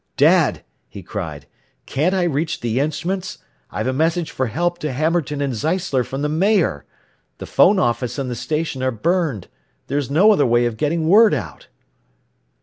"Dad," he cried, "can't I reach the instruments? I've a message for help to Hammerton and Zeisler from the mayor! The 'phone office and the station are burned. There is no other way of getting word out."